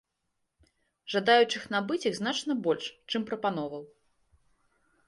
Жадаючых набыць іх значна больш, чым прапановаў.